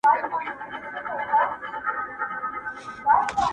بیا یې مات سول تماشې ته ډېر وګړي،